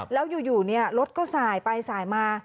แล้วอยู่รถก็สายไปสายมา